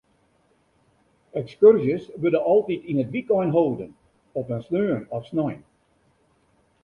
Ekskurzjes wurde altyd yn it wykein holden, op in sneon of snein.